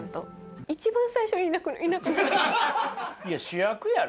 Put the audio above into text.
主役やろ？